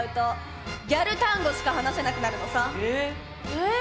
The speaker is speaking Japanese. えっ！